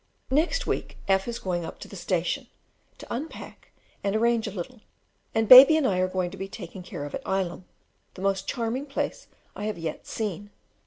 Next week F is going up to the station, to unpack and arrange a little, and baby and I are going to be taken care of at Ilam, the most charming place I have yet seen.